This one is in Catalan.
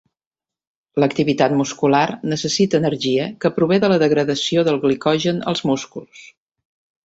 L'activitat muscular necessita energia que prové de la degradació del glicogen als músculs.